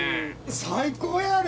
最高やで！